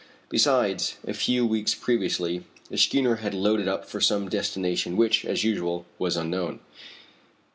Besides, a few weeks previously, the schooner had loaded up for some destination which, as usual, was unknown.